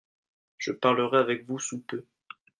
Je parlerai avec vous sous peu.